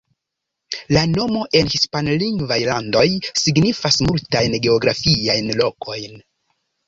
La nomo en hispanlingvaj landoj signas multajn geografiajn lokojn.